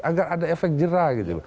agar ada efek jerah gitu